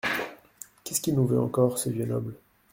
Qu’est-ce qu’il nous veut encore, ce vieux noble ?